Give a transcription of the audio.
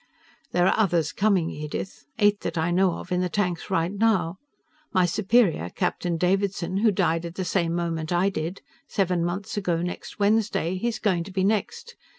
"There are others coming, Edith. Eight that I know of in the tanks right now. My superior, Captain Davidson, who died at the same moment I did seven months ago next Wednesday he's going to be next.